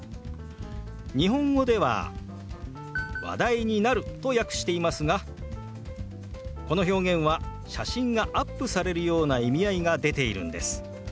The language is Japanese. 日本語では「話題になる」と訳していますがこの表現は写真がアップされるような意味合いが出ているんです。